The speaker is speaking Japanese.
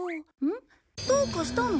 どうかしたの？